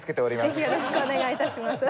ぜひよろしくお願い致します。